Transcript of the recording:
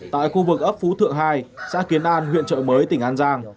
tại khu vực ấp phú thượng hai xã kiến an huyện trợ mới tỉnh an giang